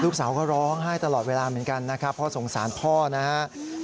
ลูกสาวก็ร้องไห้ตลอดเวลาเหมือนกันนะครับเพราะสงสารพ่อนะครับ